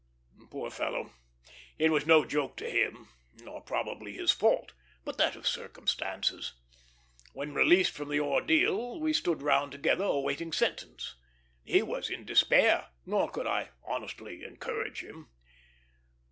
Poor fellow, it was no joke to him, nor probably his fault, but that of circumstances. When released from the ordeal, we stood round together, awaiting sentence. He was in despair, nor could I honestly encourage him.